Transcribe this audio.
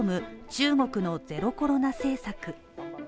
中国のゼロコロナ政策